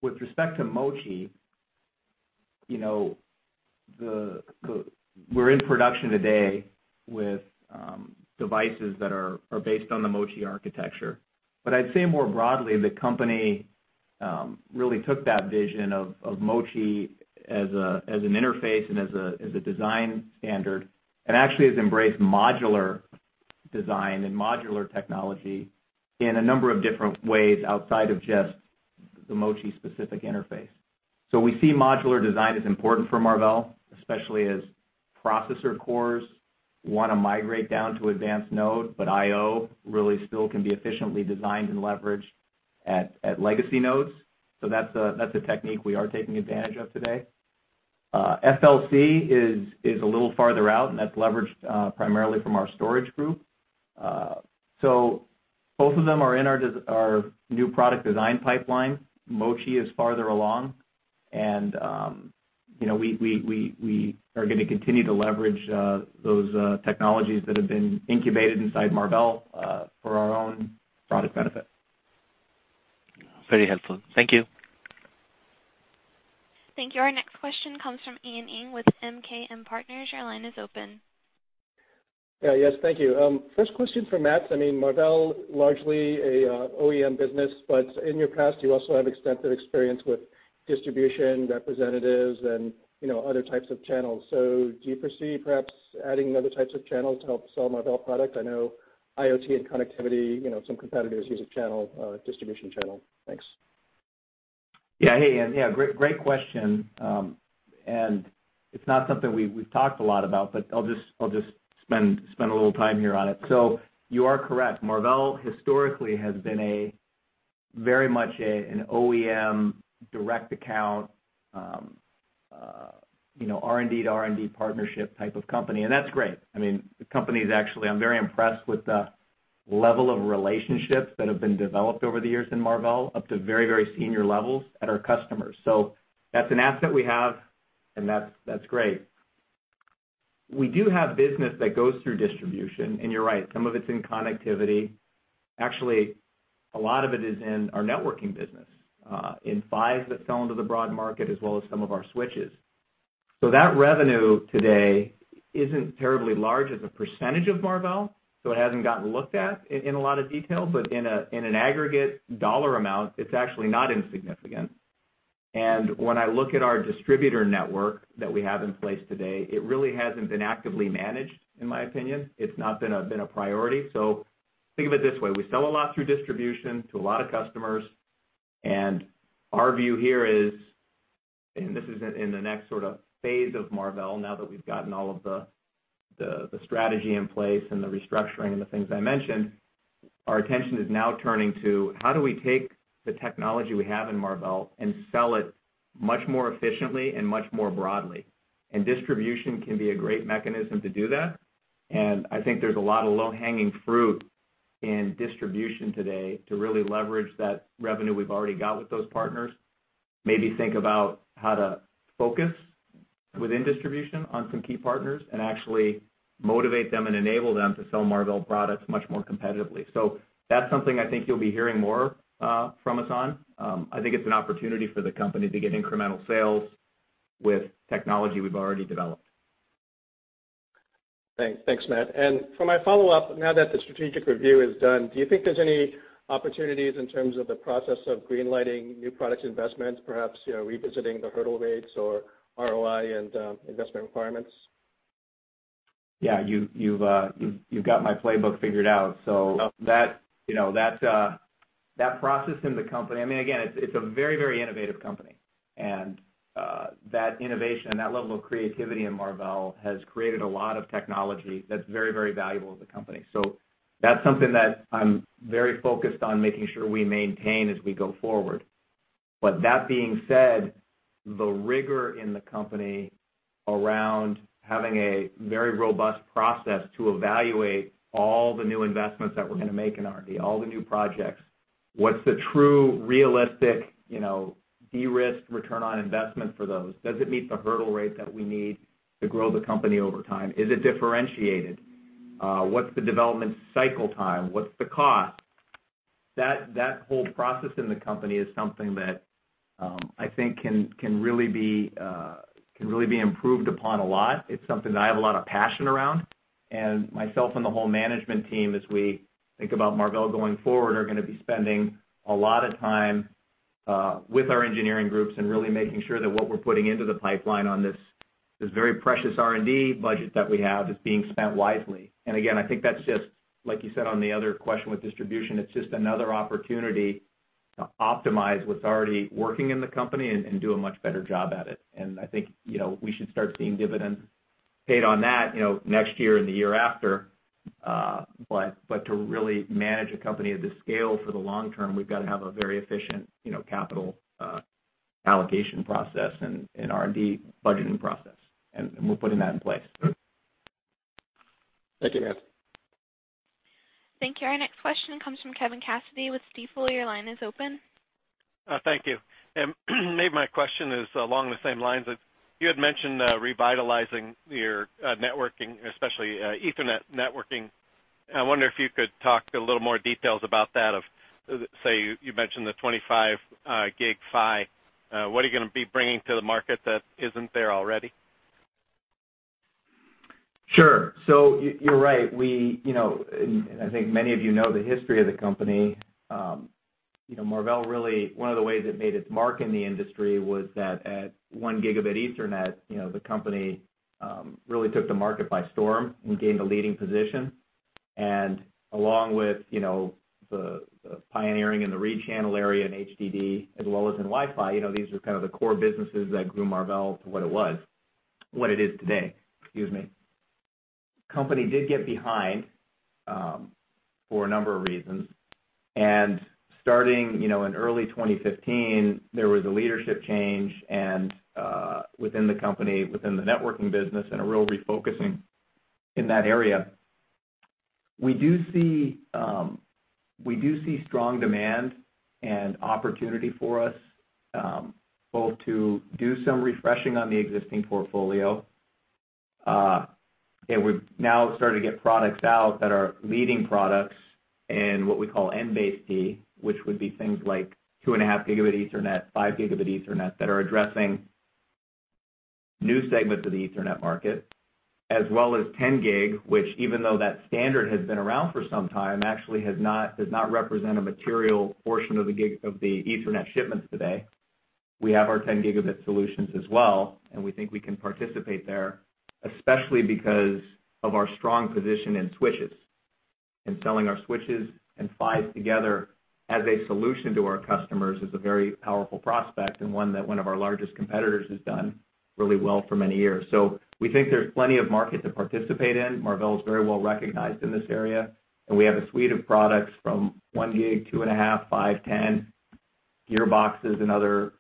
With respect to MoChi, we're in production today with devices that are based on the MoChi architecture. I'd say more broadly, the company really took that vision of MoChi as an interface and as a design standard, and actually has embraced modular design and modular technology in a number of different ways outside of just the MoChi specific interface. We see modular design as important for Marvell, especially as processor cores want to migrate down to advanced node, but IO really still can be efficiently designed and leveraged at legacy nodes. That's a technique we are taking advantage of today. FLC is a little farther out, and that's leveraged primarily from our storage group. Both of them are in our new product design pipeline. MoChi is farther along. We are going to continue to leverage those technologies that have been incubated inside Marvell for our own product benefit. Very helpful. Thank you. Thank you. Our next question comes from Ian Ing with MKM Partners. Your line is open. Yes. Thank you. First question for Matt. Marvell, largely an OEM business, but in your past, you also have extensive experience with distribution, representatives, and other types of channels. Do you foresee perhaps adding other types of channels to help sell Marvell product? I know IoT and connectivity, some competitors use a channel, a distribution channel. Thanks. Yeah. Hey, Ian. Great question. It's not something we've talked a lot about, but I'll just spend a little time here on it. You are correct. Marvell historically has been very much an OEM direct account, R&D to R&D partnership type of company, and that's great. The company is actually I'm very impressed with the level of relationships that have been developed over the years in Marvell, up to very senior levels at our customers. That's an asset we have, and that's great. We do have business that goes through distribution, and you're right, some of it's in connectivity. Actually, a lot of it is in our networking business, in PHYs that sell into the broad market as well as some of our switches. That revenue today isn't terribly large as a percentage of Marvell, so it hasn't gotten looked at in a lot of detail. In an aggregate dollar amount, it's actually not insignificant. When I look at our distributor network that we have in place today, it really hasn't been actively managed, in my opinion. It's not been a priority. Think of it this way, we sell a lot through distribution to a lot of customers, and our view here is, and this is in the next sort of phase of Marvell, now that we've gotten all of the strategy in place and the restructuring and the things I mentioned, our attention is now turning to how do we take the technology we have in Marvell and sell it much more efficiently and much more broadly? Distribution can be a great mechanism to do that. I think there's a lot of low-hanging fruit in distribution today to really leverage that revenue we've already got with those partners. Maybe think about how to focus within distribution on some key partners and actually motivate them and enable them to sell Marvell products much more competitively. That's something I think you'll be hearing more from us on. I think it's an opportunity for the company to get incremental sales with technology we've already developed. Thanks, Matt. For my follow-up, now that the strategic review is done, do you think there's any opportunities in terms of the process of green-lighting new product investments, perhaps revisiting the hurdle rates or ROI and investment requirements? Yeah, you've got my playbook figured out. That process in the company, again, it's a very innovative company. That innovation and that level of creativity in Marvell has created a lot of technology that's very valuable to the company. That's something that I'm very focused on making sure we maintain as we go forward. That being said, the rigor in the company around having a very robust process to evaluate all the new investments that we're going to make in R&D, all the new projects, what's the true realistic de-risk return on investment for those? Does it meet the hurdle rate that we need to grow the company over time? Is it differentiated? What's the development cycle time? What's the cost? That whole process in the company is something that I think can really be improved upon a lot. It's something that I have a lot of passion around, and myself and the whole management team, as we think about Marvell going forward, are going to be spending a lot of time with our engineering groups and really making sure that what we're putting into the pipeline on this very precious R&D budget that we have is being spent wisely. Again, I think that's just like you said on the other question with distribution, it's just another opportunity to optimize what's already working in the company and do a much better job at it. I think we should start seeing dividends paid on that next year and the year after. To really manage a company of this scale for the long term, we've got to have a very efficient capital allocation process and R&D budgeting process, and we're putting that in place. Thank you, Matt. Thank you. Our next question comes from Kevin Cassidy with Stifel. Your line is open. Thank you. Maybe my question is along the same lines of, you had mentioned revitalizing your networking, especially Ethernet networking. I wonder if you could talk a little more details about that of, say, you mentioned the 25 gig PHY. What are you going to be bringing to the market that isn't there already? Sure. You're right. I think many of you know the history of the company. Marvell, really, one of the ways it made its mark in the industry was that at 1 gigabit Ethernet, the company really took the market by storm and gained a leading position. Along with the pioneering in the read channel area and HDD, as well as in Wi-Fi, these are kind of the core businesses that grew Marvell to what it was, what it is today. Excuse me. Company did get behind for a number of reasons. Starting in early 2015, there was a leadership change within the company, within the networking business and a real refocusing in that area. We do see strong demand and opportunity for us, both to do some refreshing on the existing portfolio. We've now started to get products out that are leading products in what we call NBASE-T, which would be things like 2.5 gigabit Ethernet, 5 gigabit Ethernet that are addressing new segments of the Ethernet market, as well as 10 gig, which even though that standard has been around for some time, actually does not represent a material portion of the Ethernet shipments today. We have our 10 gigabit solutions as well, and we think we can participate there, especially because of our strong position in switches. Selling our switches and PHYs together as a solution to our customers is a very powerful prospect, and one that one of our largest competitors has done really well for many years. We think there's plenty of market to participate in. Marvell is very well recognized in this area. We have a suite of products from 1 gig, 2.5, 10, gearboxes and other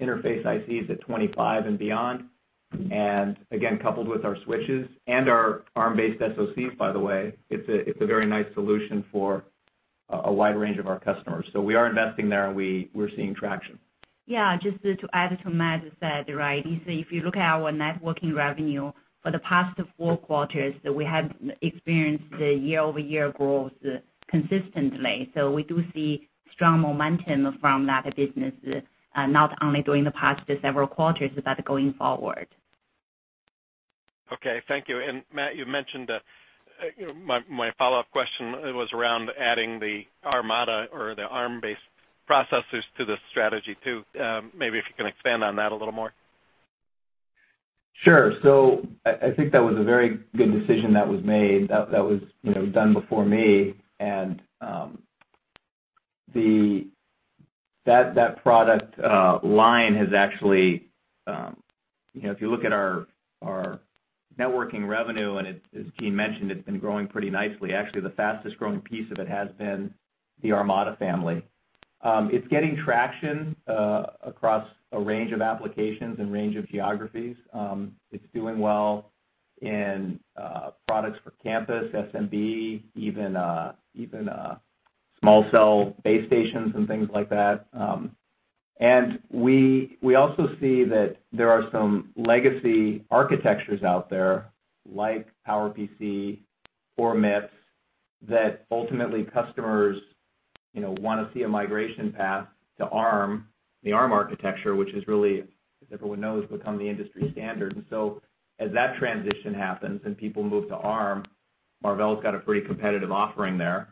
interface ICs at 25 and beyond. Again, coupled with our switches and our Arm-based SOCs, by the way, it's a very nice solution for A wide range of our customers. We are investing there and we're seeing traction. Yeah. Just to add to Matt said, if you look at our networking revenue for the past four quarters, we have experienced year-over-year growth consistently. We do see strong momentum from that business, not only during the past several quarters, but going forward. Okay, thank you. Matt, you mentioned, my follow-up question was around adding the ARMADA or the Arm-based processors to the strategy too. Maybe if you can expand on that a little more. Sure. I think that was a very good decision that was made, that was done before me. That product line has actually, if you look at our networking revenue, and as Jean mentioned, it's been growing pretty nicely. Actually, the fastest-growing piece of it has been the ARMADA family. It's getting traction across a range of applications and range of geographies. It's doing well in products for campus, SMB, even small cell base stations and things like that. We also see that there are some legacy architectures out there, like PowerPC or MIPS, that ultimately customers want to see a migration path to Arm, the Arm architecture, which has really, as everyone knows, become the industry standard. As that transition happens and people move to Arm, Marvell's got a pretty competitive offering there.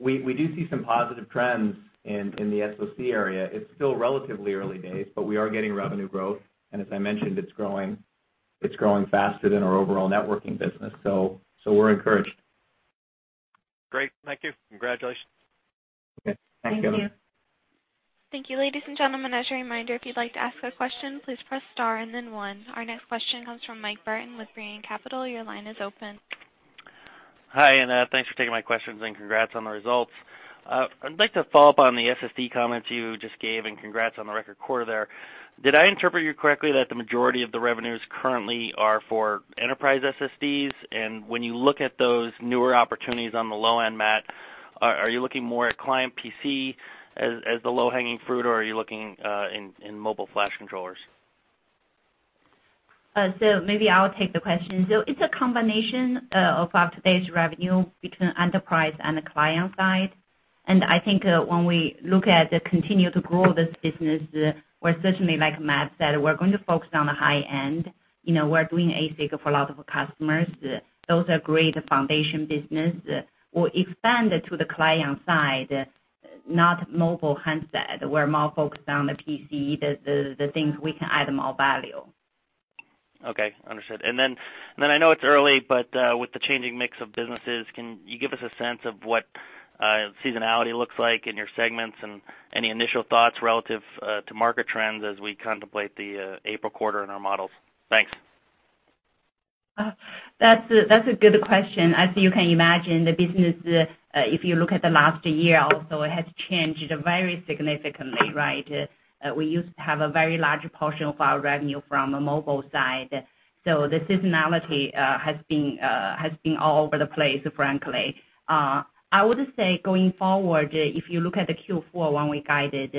We do see some positive trends in the SoC area. It's still relatively early days, but we are getting revenue growth. As I mentioned, it's growing faster than our overall networking business, we're encouraged. Great. Thank you. Congratulations. Okay. Thanks, Kevin. Thank you. Thank you, ladies and gentlemen. As a reminder, if you'd like to ask a question, please press star and then one. Our next question comes from Mike Burton with Brean Capital. Your line is open. Hi, thanks for taking my questions and congrats on the results. I'd like to follow up on the SSD comments you just gave, and congrats on the record quarter there. Did I interpret you correctly that the majority of the revenues currently are for enterprise SSDs? When you look at those newer opportunities on the low end, Matt, are you looking more at client PC as the low-hanging fruit, are you looking in mobile flash controllers? Maybe I'll take the question. It's a combination of our today's revenue between enterprise and the client side. I think when we look at continue to grow this business, or certainly like Matt said, we're going to focus on the high end. We're doing ASIC for a lot of customers. Those are great foundation business. We'll expand it to the client side, not mobile handset. We're more focused on the PC, the things we can add more value. Okay, understood. I know it's early, but with the changing mix of businesses, can you give us a sense of what seasonality looks like in your segments and any initial thoughts relative to market trends as we contemplate the April quarter in our models? Thanks. That's a good question. As you can imagine, the business, if you look at the last year also, it has changed very significantly, right? We used to have a very large portion of our revenue from a mobile side. The seasonality has been all over the place, frankly. I would say going forward, if you look at the Q4, when we guided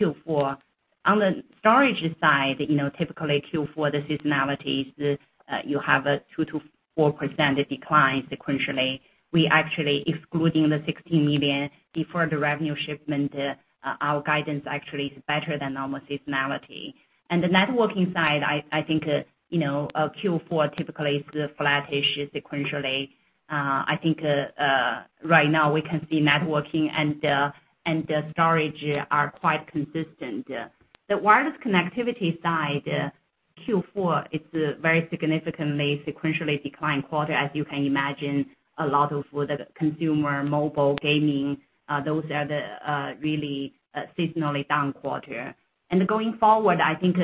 Q4, on the storage side, typically Q4, the seasonality is you have a 2%-4% decline sequentially. We actually excluding the $16 million deferred revenue shipment, our guidance actually is better than normal seasonality. The networking side, I think, Q4 typically is flat-ish sequentially. I think right now we can see networking and storage are quite consistent. The wireless connectivity side, Q4, it's a very significantly sequentially decline quarter. As you can imagine, a lot of consumer mobile gaming, those are the really seasonally down quarter. Going forward, I think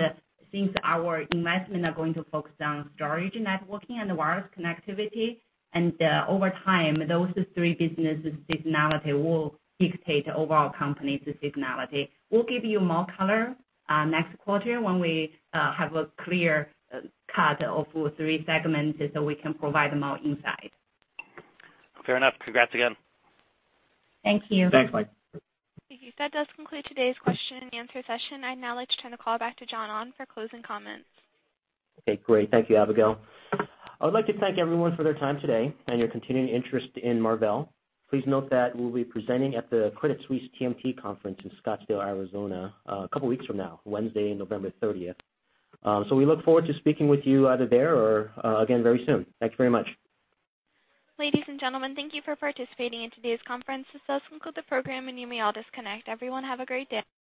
since our investments are going to focus on storage, networking, and wireless connectivity, and over time, those three businesses' seasonality will dictate overall company's seasonality. We'll give you more color next quarter when we have a clear-cut of three segments so we can provide more insight. Fair enough. Congrats again. Thank you. Thanks, Mike. Thank you. That does conclude today's question and answer session. I'd now like to turn the call back to John Ahn for closing comments. Okay, great. Thank you, Abigail. I would like to thank everyone for their time today and your continuing interest in Marvell. Please note that we'll be presenting at the Credit Suisse TMT Conference in Scottsdale, Arizona, a couple weeks from now, Wednesday, November 30th. We look forward to speaking with you either there or again very soon. Thanks very much. Ladies and gentlemen, thank you for participating in today's conference. This does conclude the program, and you may all disconnect. Everyone, have a great day.